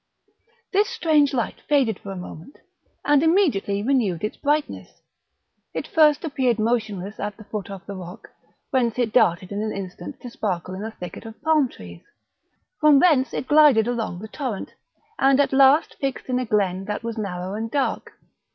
This strange light faded for a moment, and immediately renewed its brightness; it first appeared motionless at the foot of the rock, whence it darted in an instant to sparkle in a thicket of palm trees; from thence it glided along the torrent, and at last fixed in a glen that was narrow and dark.